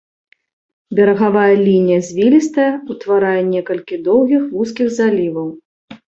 Берагавая лінія звілістая, утварае некалькі доўгіх вузкіх заліваў.